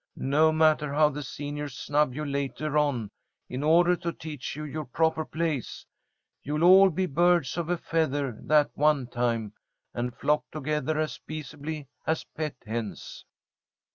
No matter how the seniors snub you later on, in order to teach you your proper place, you'll all be birds of a feather that one time, and flock together as peaceably as pet hens.